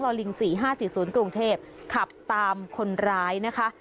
ลิง๔๕๔๐กรุงเทพขับตามคนร้ายนะคะ